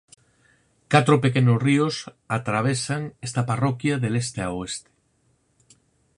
Catro pequenos ríos atravesan esta parroquia de leste a oeste.